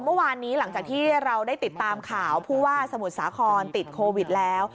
เมื่อวานนี้หลังจากที่เราได้ติดตามข่าวผู้ว่าสมุทรสาครติดโควิดแล้ว